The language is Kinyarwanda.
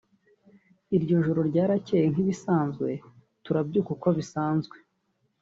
Iryo joro ryarakeye nk’ibisanzwe turabyuka uko bisanzwe